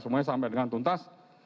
semuanya sampai dengan tuntas